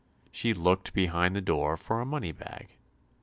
She looked behind the door for a money bag.